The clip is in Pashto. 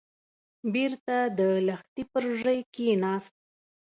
بېرته د لښتي پر ژۍ کېناست.